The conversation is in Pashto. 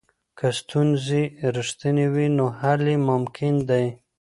که ستونزې رښتینې وي نو حل یې ممکن دی.